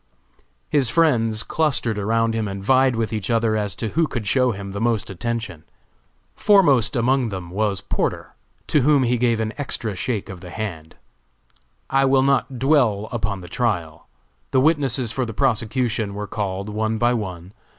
His friends clustered around him and vied with each other as to who could show him the most attention. Foremost among them was Porter, to whom he gave an extra shake of the hand. I will not dwell upon the trial. The witnesses for the prosecution were called one by one.